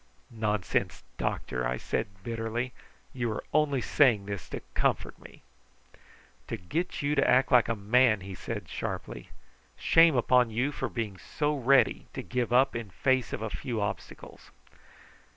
"Nonsense, doctor!" I said bitterly. "You are only saying this to comfort me." "To get you to act like a man," he said sharply. "Shame upon you for being so ready to give up in face of a few obstacles!"